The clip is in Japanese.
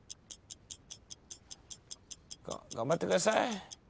頑張ってください。